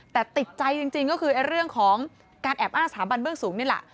แต่ติดใจจริงก็คือเรื่องของการแอบอ้างสถาบันเบื้องสูงนี่แหละ